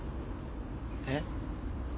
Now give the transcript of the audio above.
えっ？